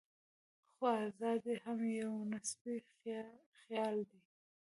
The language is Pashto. خو ازادي هم یو نسبي خیال دی.